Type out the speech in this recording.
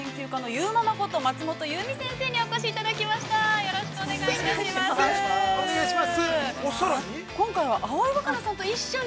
◆よろしくお願いします。